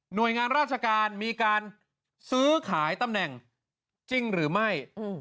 โดยงานราชการมีการซื้อขายตำแหน่งจริงหรือไม่